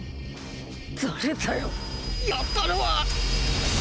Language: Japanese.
誰だよやったのは！